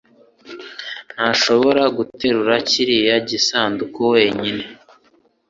ntashobora guterura kiriya gisanduku wenyine.